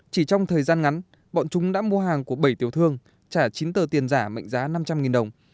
chỉ trong thời gian ngắn bọn chúng đã mua hàng của bảy tiểu thương trả chín tờ tiền giả mệnh giá năm trăm linh đồng